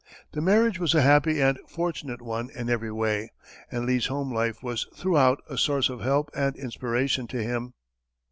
The marriage was a happy and fortunate one in every way, and Lee's home life was throughout a source of help and inspiration to him.